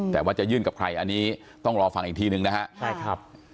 แต่ว่าจะยื่นกับใครอันนี้ต้องรอฟังอีกทีนึงนะฮะใช่ครับ